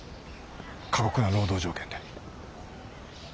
過酷な労働条件で。